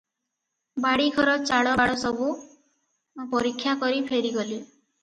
ବାଡ଼ିଘର ଚାଳବାଡ଼ ସବୁ ପରୀକ୍ଷା କରି ଫେରିଗଲେ ।